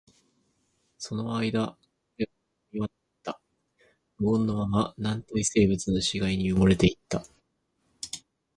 その間、彼は何も言わなかった。無言のまま、軟体生物の死骸に埋もれていった。